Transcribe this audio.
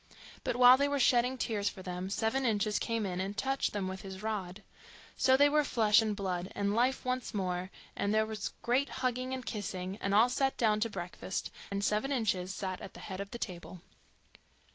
But while they were shedding tears for them, Seven Inches came in, and touched them with his rod. So they were flesh, and blood, and life once more, and there was great hugging and kissing, and all sat down to breakfast, and Seven Inches sat at the head of the table.